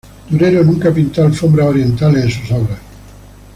Durero nunca pintó alfombras orientales en sus obras.